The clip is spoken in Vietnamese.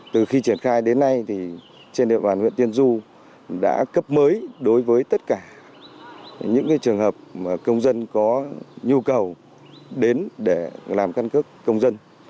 từ khi triển khai đến nay trên địa bàn huyện tiên du đã cấp mới đối với tất cả những trường hợp công dân có nhu cầu đến để làm căn cước công dân